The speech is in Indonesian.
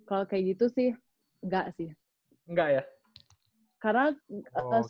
oh kalau kayak gitu sih